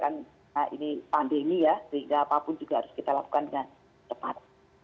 karena ini pandemi ya sehingga apapun juga harus kita lakukan dengan cepat